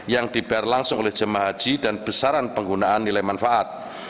yang dibayar langsung oleh jemaah haji dan besaran penggunaan nilai manfaat